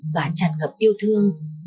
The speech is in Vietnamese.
và chẳng gặp yêu thương